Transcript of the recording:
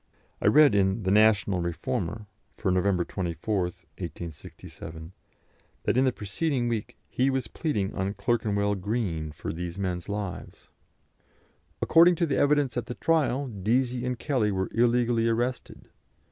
I read in the National Reformer for November 24, 1867, that in the preceding week he was pleading on Clerkenwell Green for these men's lives: "According to the evidence at the trial, Deasy and Kelly were illegally arrested.